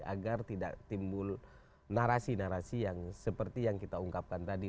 agar tidak timbul narasi narasi yang seperti yang kita ungkapkan tadi